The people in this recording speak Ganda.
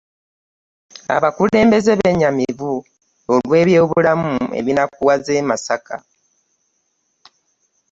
Abakulembeze bennyamivu olw'ebyobulamu ebinakuwaza e Masaka